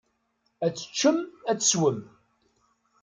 Ad teččem, ad teswem.